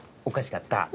おかしかった？